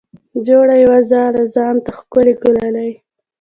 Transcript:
جوړه یې وه ځاله ځان ته ښکلې ګلالۍ